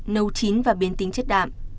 nấu chín và biến tính chất đạm